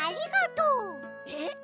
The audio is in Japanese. えっ？